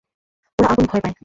ওরা আগুন ভয় পায়!